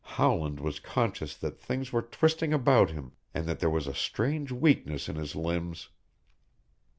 Howland was conscious that things were twisting about him and that there was a strange weakness in his limbs.